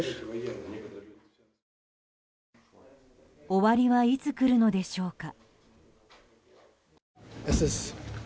終わりはいつ来るのでしょうか。